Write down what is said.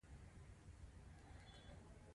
هغه د اواز پر څنډه ساکت ولاړ او فکر وکړ.